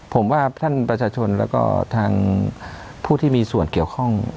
ผมว่าท่านประชาชนแล้วก็ทางผู้ที่มีส่วนเกี่ยวข้อง